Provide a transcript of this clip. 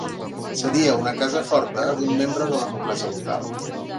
Seria una casa forta d'un membre de la noblesa local.